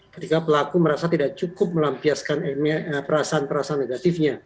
ketika pelaku merasa tidak cukup melampiaskan perasaan negatif